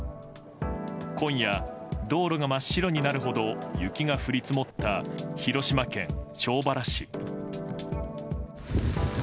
今夜、道路が真っ白になるほど雪が降り積もった広島県庄原市。